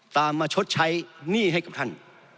ตามมาชดใช้หนี้ให้กับท่าน